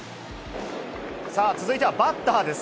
続いてはバッターです。